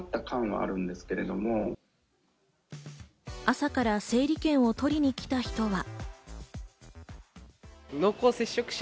朝から整理券を取りに来た人は。